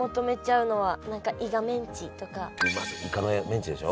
イカのメンチでしょ？